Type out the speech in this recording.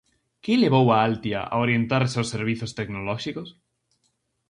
Que levou a Altia a orientarse aos servizos tecnolóxicos?